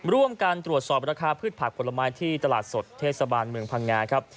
ร่วมการตรวจสอบราคาพืชผักผลไม้ที่ตลาดสดเทศบาลเมืองพังงาครับ